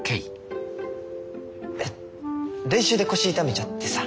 えっ練習で腰痛めちゃってさ。